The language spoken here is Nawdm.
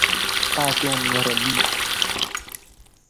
Paa tong nija, ra li.